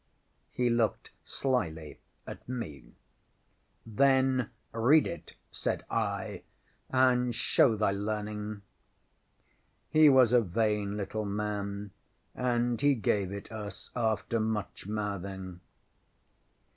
ŌĆØ He looked slyly at me. ŌĆśŌĆ£Then read it, ŌĆØ said I, ŌĆ£and show thy learning. ŌĆØ He was a vain little man, and he gave it us after much mouthing.